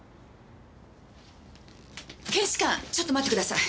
検視官ちょっと待ってください。